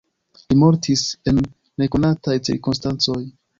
Li mortis en nekonataj cirkonstancoj.